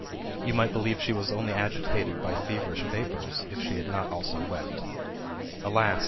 You might believe that she was only agitated by feverish vapours, if she had not also wept. Alas